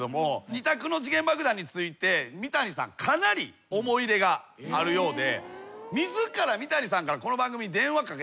二択の時限爆弾について三谷さんかなり思い入れがあるようで。